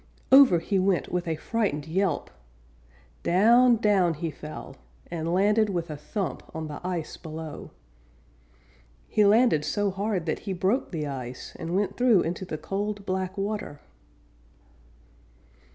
Over he went with a frightened yelp! Down, down he fell, and landed with a thump on the ice below. He landed so hard that he broke the ice, and went through into the cold, black water.